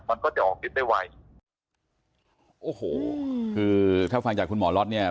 มันก็จะออกฤทธิได้ไวโอ้โหคือถ้าฟังจากคุณหมอล็อตเนี่ย